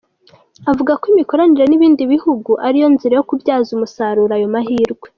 Avuga ko imikoranire n’ibindi bihugu ari yo nzira yo kubyaza umusaruro ayo mahirwe.